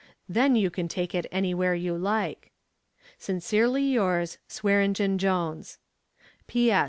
Then you can take it anywhere you like. "Sincerely yours, "SWEARENGEN JONES. "P.S.